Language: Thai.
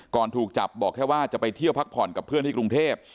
ถูกจับบอกแค่ว่าจะไปเที่ยวพักผ่อนกับเพื่อนที่กรุงเทพ